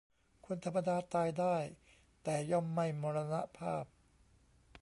คนธรรมดาตายได้ แต่ย่อมไม่มรณภาพ